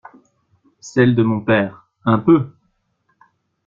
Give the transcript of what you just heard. Celle de mon père, un peu!